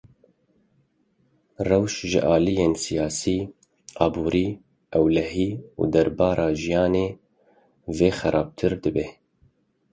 Rewş ji aliyên siyasî, aborî, ewlehî û debara jiyanê ve xerabtir dibe.